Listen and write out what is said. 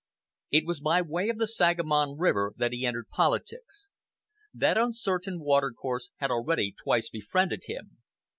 It was by way of the Sangamon River that he entered politics. That uncertain watercourse had already twice befriended him.